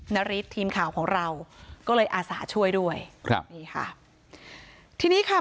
นาริสทีมข่าวของเราก็เลยอาสาช่วยด้วยครับนี่ค่ะทีนี้ค่ะ